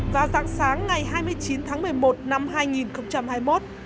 và rạng sáng ngày hai mươi chín tháng một mươi một năm hai nghìn hai mươi một